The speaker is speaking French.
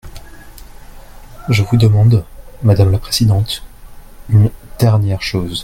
Je vous demande, madame la présidente, une dernière chose.